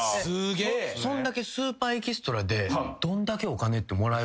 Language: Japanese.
そんだけスーパーエキストラでどんだけお金ってもらえる？